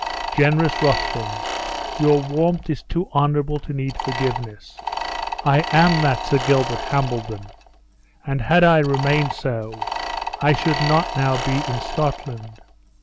"Generous Ruthven, your warmth is too honorable to need forgiveness. I am that Sir Gilbert Hambledon; and had I remained so, I should not now be in Scotland.